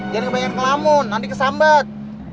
jangan kebanyakan kelamun nanti kesambet